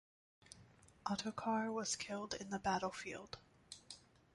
Ottokar was killed in the battlefield.